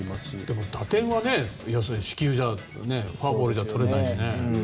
でも打点はフォアボールじゃとれないしね。